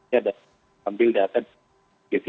ya ada ambil data di tv